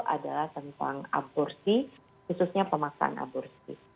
adalah tentang aborsi khususnya pemaksaan aborsi